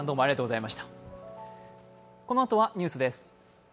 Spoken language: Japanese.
このあとはニュースです。